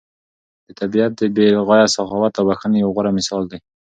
طبیعت د بې غایه سخاوت او بښنې یو غوره مثال دی.